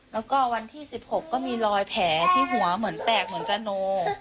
แล้วก็วันที่๑๖ก็มีรอยแผลที่หัวเหมือนแตกเหมือนจาโน